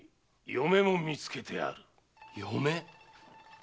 嫁？